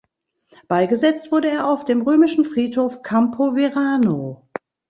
Beigesetzt wurde er auf dem römischen Friedhof Campo Verano.